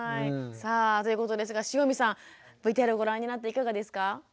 さあということですが汐見さんＶＴＲをご覧になっていかがですか？